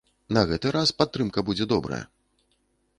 На гэты раз падтрымка будзе добрая.